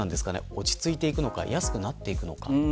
落ち着いていくのか安くなっていくのか。